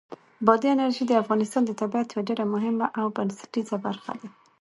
بادي انرژي د افغانستان د طبیعت یوه ډېره مهمه او بنسټیزه برخه ده.